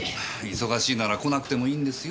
忙しいなら来なくてもいいんですよ。